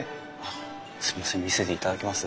すみません見せていただきます。